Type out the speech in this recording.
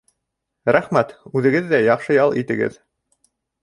Рәхмәт, үҙегеҙ ҙә яҡшы ял итегеҙ.